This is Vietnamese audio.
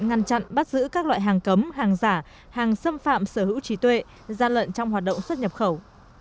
ngăn chặn bắt giữ các loại hàng cấm hàng giả hàng xâm phạm sở hữu trí tuệ gian lận trong hoạt động xuất nhập khẩu